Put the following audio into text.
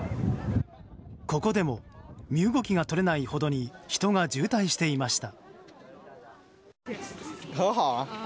ここでも身動きが取れないほどに人が渋滞していました。